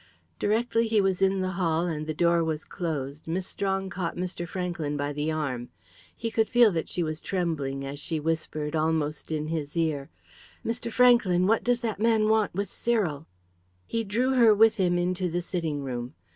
Directly he was in the hall and the door was closed Miss Strong caught Mr. Franklyn by the arm. He could feel that she was trembling, as she whispered, almost in his ear "Mr. Franklyn, what does that man want with Cyril?" He drew her with him into the sitting room.